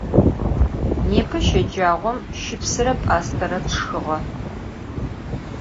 Nêpe şecağom şıpsıre p'astere tşşxığe.